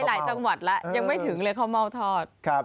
หลายจังหวัดแล้วยังไม่ถึงเลยข้าวเม่าทอด